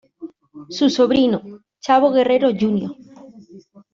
Su sobrino, Chavo Guerrero, Jr.